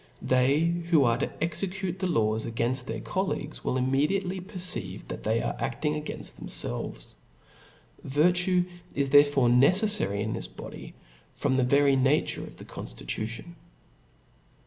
They who ar6 to execute the !aw^ againft their colleguesy will innimediately perceive they are afting againft themfelves. Virtue is therefore neceffary in this body> from the very na ture of the conftitution.